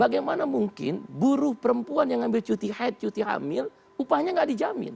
bagaimana mungkin buruh perempuan yang ambil cuti haid cuti hamil upahnya nggak dijamin